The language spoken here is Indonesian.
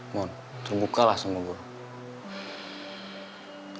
mohon terbuka lah sama gue